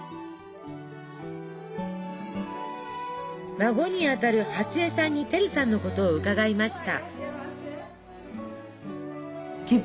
孫にあたる初栄さんにてるさんのことを伺いました。